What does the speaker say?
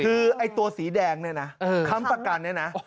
คือไอ้ตัวสีแดงเนี่ยนะค้ำประกันเนี่ยนะ